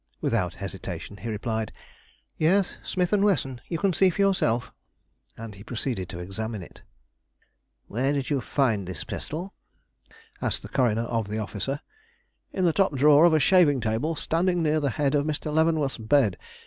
Without hesitation he replied, "Yes, Smith & Wesson; you can see for yourself," and he proceeded to examine it. "Where did you find this pistol?" asked the coroner of the officer. "In the top drawer of a shaving table standing near the head of Mr. Leavenworth's bed.